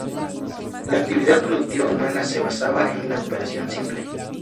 La actividad productiva humana se basaba en la cooperación simple.